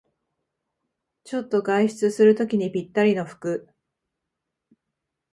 ちょっと外出するときにぴったりの服